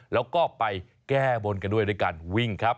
แล้วก็ไปแก้บนกันด้วยด้วยการวิ่งครับ